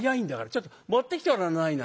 ちょっと持ってきてごらんなさいな。